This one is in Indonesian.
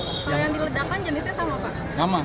kalau yang diledakan jenisnya sama pak